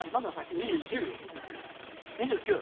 ２９。